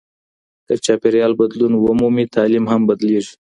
که چاپېريال بدلون ومومي تعليم هم بدلېږي.